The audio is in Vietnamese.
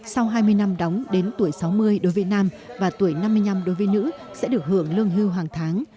sau hai mươi năm đóng đến tuổi sáu mươi đối với nam và tuổi năm mươi năm đối với nữ sẽ được hưởng lương hưu hàng tháng